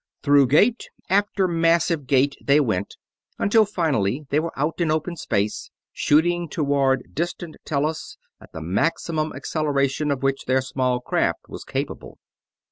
Through gate after massive gate they went, until finally they were out in open space, shooting toward distant Tellus at the maximum acceleration of which their small craft was capable.